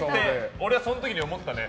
俺はその時思ったね。